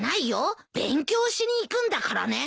勉強しに行くんだからね。